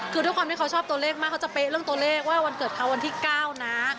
คือด้วยความที่เขาชอบตัวเลขมากเขาจะเป๊ะเรื่องตัวเลขว่าวันเกิดเขาวันที่๙นะ